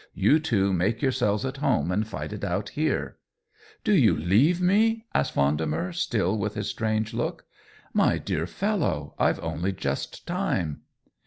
You two make your selves at home and fight it out here." "Do you leave me?" asked Vendemer, still with his strange look. " My dear fellow, I've only just time."